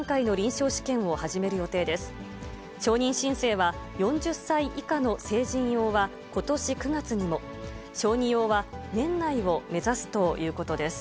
承認申請は、４０歳以下の成人用はことし９月にも、小児用は年内を目指すということです。